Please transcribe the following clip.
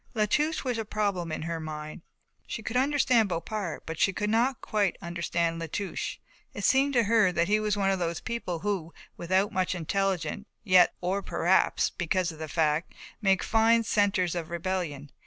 La Touche was a problem in her mind. She could understand Bompard but she could not quite understand La Touche. It seemed to her that he was one of those people who without much intelligence, yet, or perhaps because of that fact, make fine centres of rebellion.